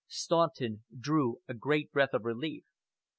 Staunton drew a great breath of relief.